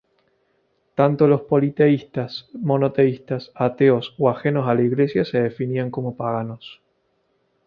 Tanto los politeístas, monoteístas, ateos o ajenos a la Iglesia se definían como paganos.